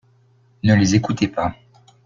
Ne les écoutez pas